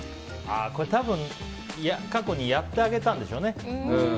たぶん、過去にやってあげたんでしょうね。